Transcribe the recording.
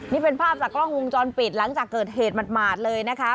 นี่เป็นภาพจากกล้องวงจรปิดหลังจากเกิดเหตุหมาดเลยนะคะ